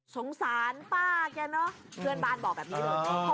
สงสารป้าแกเนอะเพื่อนบ้านบอกแบบนี้เลย